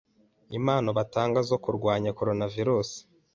impano batanga zo kurwanya coronavirus